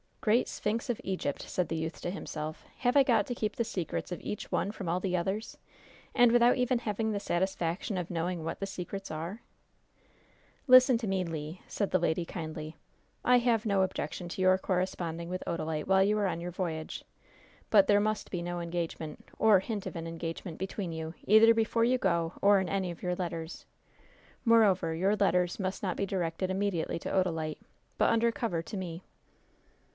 "Great Sphinx of Egypt!" said the youth to himself. "Have I got to keep the secrets of each one from all the others? And without even having the satisfaction of knowing what the secrets are?" "Listen to me, Le," said the lady, kindly. "I have no objection to your corresponding with Odalite while you are on your voyage; but there must be no engagement, or hint of an engagement between you, either before you go or in any of your letters. Moreover, your letters must not be directed immediately to Odalite, but under cover to me."